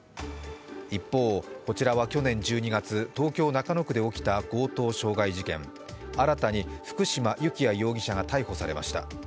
一方、こちらは去年１２月東京・中野区で起きた強盗傷害事件新たに福嶋幸也容疑者が逮捕されました。